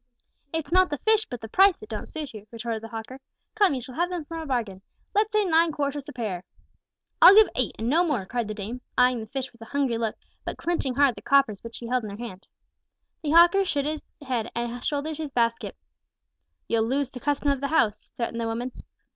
"It's not the fish, but the price, that don't suit you," retorted the hawker. "Come, you shall have them a bargain, let's say nine cuartos a pair." "I'll give eight, and no more," cried the dame, eying the fish with a hungry look, but clinching hard the coppers which she held in her hand. The hawker shook his head, and shouldered his basket. "You'll lose the custom of the house," threatened the woman.